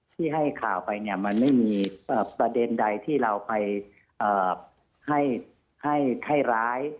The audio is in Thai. ที่ให้ข่าวไปเนี่ยมันไม่มีประเด็นใดที่เราไปให้ร้าย